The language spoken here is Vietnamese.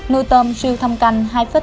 nuôi tôm siêu thăm canh